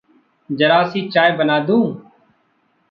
ज़रा सी चाय बना दूं?